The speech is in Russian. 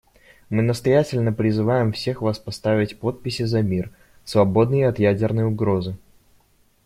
Мы настоятельно призываем всех вас поставить подписи за мир, свободный от ядерной угрозы.